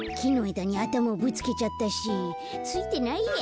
だにあたまをぶつけちゃったしついてないや。